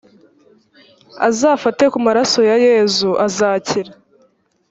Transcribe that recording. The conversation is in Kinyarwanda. azafate ku maraso ya yezu azakira